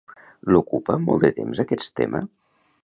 L'ocupa molt de temps aquest tema?